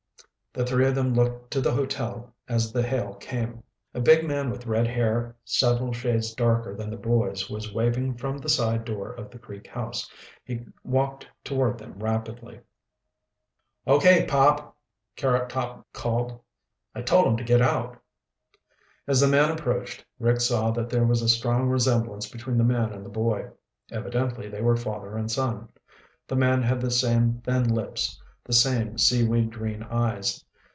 The three of them looked to the hotel as the hail came. A big man with red hair several shades darker than the boy's was waving from the side door of the Creek House. He walked toward them rapidly. "Okay, Pop," Carrottop called. "I told 'em to get out." As the man approached, Rick saw that there was a strong resemblance between the man and the boy. Evidently they were father and son. The man had the same thin lips, the same seaweed green eyes.